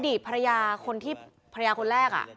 ดีตภรรยาคนที่ภรรยาคนแรก